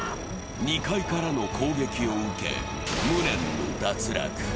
２階からの攻撃を受け、無念の脱落。